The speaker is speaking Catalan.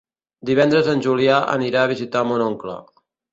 Divendres en Julià anirà a visitar mon oncle.